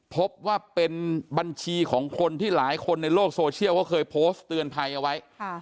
พบว่าเป็นบัญชีของคนที่หลายคนในโลกโซเชียลเขาเคยโพสต์เตือนภัยเอาไว้